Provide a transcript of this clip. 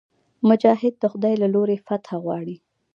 مجاهد د خدای له لورې فتحه غواړي.